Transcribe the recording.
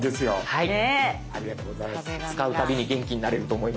はい。